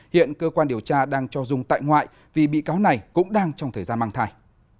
hiện cơ quan điều tra đang cho dung tại ngoại vì bị cáo này cũng đang trong thời gian mang thai